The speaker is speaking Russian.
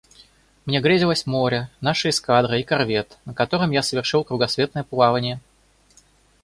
Мне грезилось море, наша эскадра и корвет, на котором я совершил кругосветное плавание.